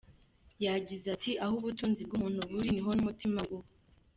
Yagize ati “Aho ubutunzi bw’umuntu buri niho n’umutima we uba.